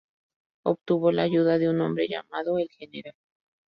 Obtuvo la ayuda de un hombre llamado El General.